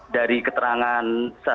dari keterangan kepala satu